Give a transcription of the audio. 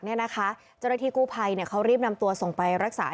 เจ้าหน้าที่กู้ภัยเขารีบนำตัวส่งไปรักษา